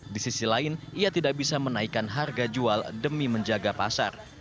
di sisi lain ia tidak bisa menaikkan harga jual demi menjaga pasar